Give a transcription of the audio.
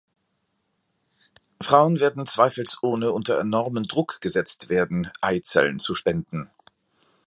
Frauen werden zweifelsohne unter enormen Druck gesetzt werden, Eizellen zu spenden.